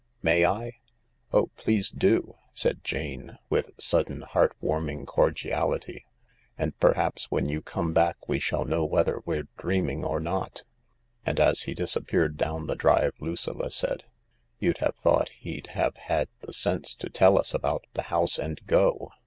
May I ?"" Oh, please do !" said Jane, with sudden heart warming cordiality—" and perhaps when you come back we shall know whether we're dreaming or not "; and as he disappeared down the drive Lucilla said :" You'd have thought he'd have had the sense to tell us about the house and go.